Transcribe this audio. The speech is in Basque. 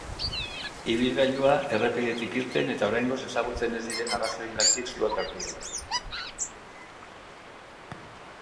Ibilgailua errepidetik irten eta oraingoz ezagutzen ez diren arrazoiengatik suak hartu du.